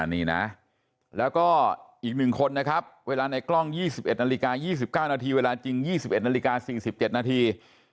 นี่นะแล้วก็อีก๑คนนะครับเวลาในกล้อง๒๑นาฬิกา๒๙นาทีเวลาจริง๒๑นาฬิกา๔๗นาที